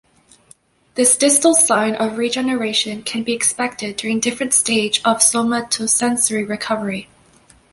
This distal sign of regeneration can be expected during different stage of somatosensory recovery.